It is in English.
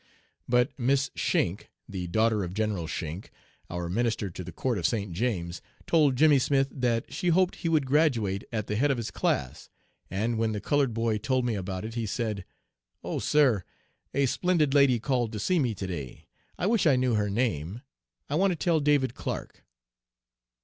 "But Miss Schenck, the daughter of General Schenck, our Minister to the Court of St. James, told Jimmy Smith that she hoped he would graduate at the head of his class, and when the colored boy told me about it he said: "'Oh, sir, a splendid lady called to see me to day. I wish I knew her name. I want to tell David Clark.'